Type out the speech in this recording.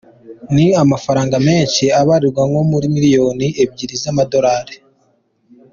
Ni amafaranga menshi abarirwa nko muri miliyoni ebyiri z’amadorali.